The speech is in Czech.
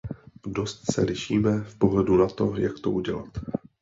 Dost se lišíme v pohledu na to, jak to udělat.